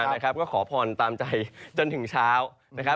นะครับก็ขอพรตามใจจนถึงเช้านะครับ